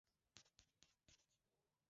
Wakuu hao wanajaribu kutatua tofauti zilizopo